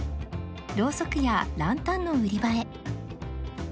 ロウソクやランタンの売り場へ